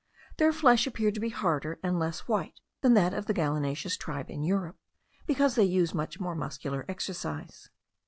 Their flesh appeared to be harder and less white than that of the gallinaceous tribe in Europe, because they use much more muscular exercise.